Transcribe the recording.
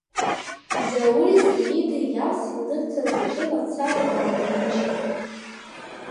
Заури Саидеи Иалса илырҭаз аҿы мацара дааны рмыжьит…